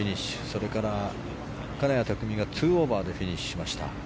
それから金谷拓実が２オーバーでフィニッシュしました。